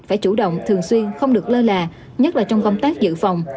phải chủ động thường xuyên không được lơ là nhất là trong công tác dự phòng